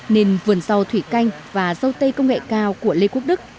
nền vườn rau thủy canh và râu tây công nghệ cao của lê quốc đức